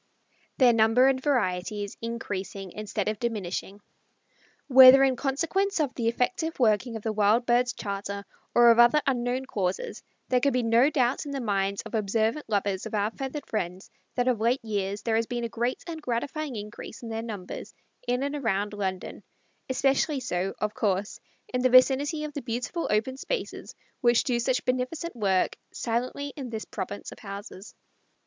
Their Number and Variety is Increasing Instead of Diminishing. Whether in consequence of the effective working of the Wild Birds' Charter or of other unknown causes, there can be no doubt in the minds of observant lovers of our feathered friends that of late years there has been a great and gratifying increase in their numbers in and around London, especially so, of course, in the vicinity of the beautiful open spaces which do such beneficent work silently in this province of houses.